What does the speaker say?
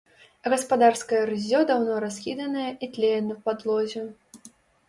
Гаспадарскае рыззё даўно раскіданае і тлее на падлозе.